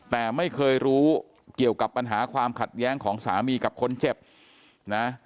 แต่ไม่เคยรู้เกี่ยวกับปัญหาความขัดแย้งของสามีกับคนเจ็บนะ